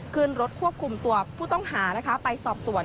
ขึ้นรถควบคุมตัวผู้ต้องหาไปสอบสวน